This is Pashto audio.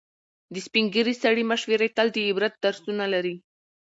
د سپینې ږیرې سړي مشورې تل د عبرت درسونه لري.